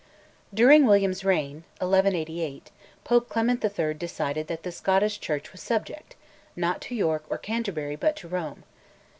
During William's reign (1188) Pope Clement III. decided that the Scottish Church was subject, not to York or Canterbury, but to Rome.